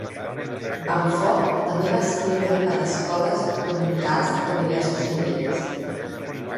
Bamford també va escriure per a escoles dominicals de diversos nivells.